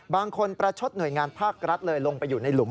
บางคนประชดหน่วยงานภาครัฐเลยลงไปอยู่ในหลุม